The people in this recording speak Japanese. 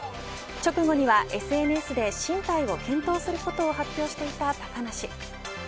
直後にはＳＮＳで進退を検討することを発表していた高梨。